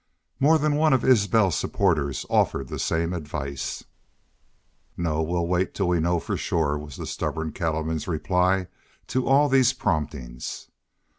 More than one of Isbel's supporters offered the same advice. "No; we'll wait till we know for shore," was the stubborn cattleman's reply to all these promptings.